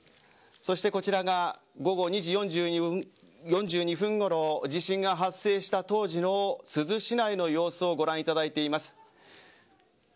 そしてこちらが午後２時４２分ごろ地震が発生した当時の珠洲市内の様子をご覧いただいています。